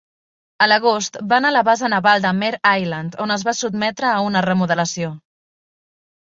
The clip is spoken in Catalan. A l'agost, va anar a la base naval de Mare Island on es va sotmetre a un remodelació.